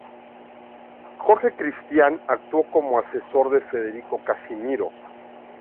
Jorge Cristián actuó como asesor de Federico Casimiro.